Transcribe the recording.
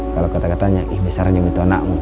kalau kata katanya ihh besarnya gitu anakmu